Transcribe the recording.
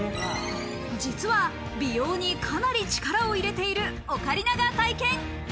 実は美容にかなり力を入れているオカリナが体験。